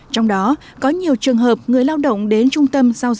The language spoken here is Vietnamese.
trong đó có nhiều trường hợp người lao động đến trung tâm giao dịch